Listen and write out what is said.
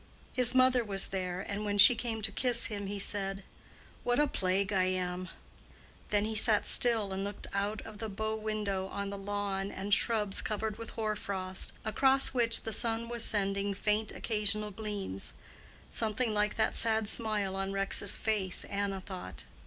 His mother was there, and when she came to kiss him, he said: "What a plague I am!" Then he sat still and looked out of the bow window on the lawn and shrubs covered with hoar frost, across which the sun was sending faint occasional gleams:—something like that sad smile on Rex's face, Anna thought.